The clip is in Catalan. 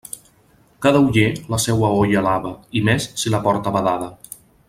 Cada oller, la seua olla alaba, i més si la porta badada.